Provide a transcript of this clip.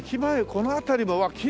この辺りも。